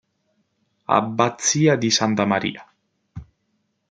Abbazia di Santa Maria